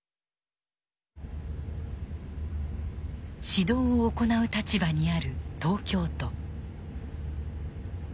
指導を行う立場にある東京都。